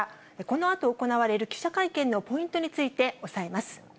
このあと行われる記者会見のポイントについて、押さえます。